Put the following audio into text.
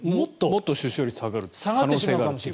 もっと出生率が下がる可能性があると。